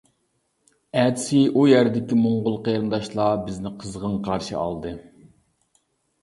ئەتىسى ئۇ يەردىكى موڭغۇل قېرىنداشلار بىزنى قىزغىن قارشى ئالدى.